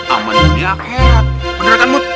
amanin di akhirat bener kan mut